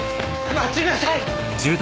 待ちなさい。